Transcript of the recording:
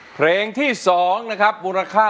เพลงที่๒นะครับมูลค่า